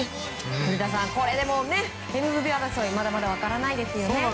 古田さん、これでもＭＶＰ争いはまだまだ分からないですよね。